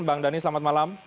bang dhani selamat malam